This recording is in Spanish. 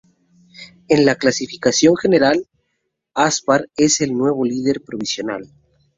En la clasificación general, Aspar es el nuevo líder provisional.